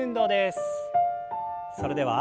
それでは。